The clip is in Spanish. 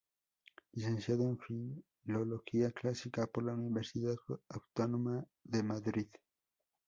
Licenciado en Filología Clásica por la Universidad Autónoma de Madrid.